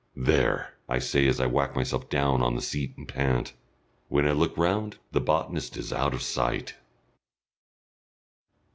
"There!" I say, as I whack myself down on the seat and pant. When I look round the botanist is out of sight.